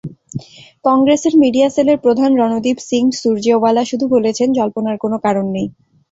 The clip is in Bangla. কংগ্রেসের মিডিয়া সেলের প্রধান রণদীপ সিং সুরজেওয়ালা শুধু বলেছেন, জল্পনার কোনো কারণ নেই।